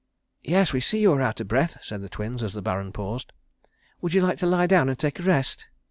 _] "Yes, we see you are out of breath," said the Twins, as the Baron paused. "Would you like to lie down and take a rest?"